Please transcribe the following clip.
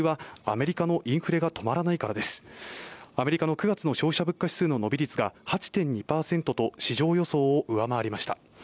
アメリカの９月の消費者物価指数の伸び率が８．２％と市場予想を上回りました。